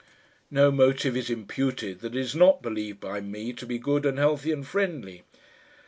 "No motive is imputed that is not believed by me to be good and healthy and friendly."